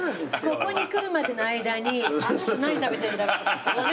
ここに来るまでの間にあの人何食べてんだろう。